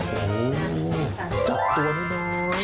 นี่นะครับหมอน้อย